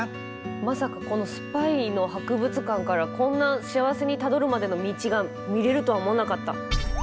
まさかこのスパイの博物館からこんな幸せにたどるまでの道が見れるとは思わなかった。